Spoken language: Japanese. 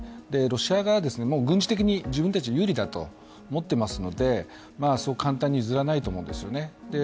ロシア側は軍事的に自分たちが有利だと思っていますのでそう簡単に譲らないと思うんですね。